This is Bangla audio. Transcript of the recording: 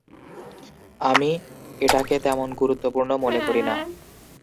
আমি এটাকে তেমন গুরুত্বপূর্ণ মনে করি না।